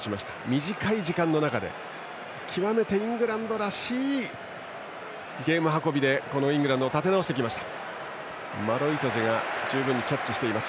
短い時間の中で極めてイングランドらしいゲーム運びでイングランドを立て直しました。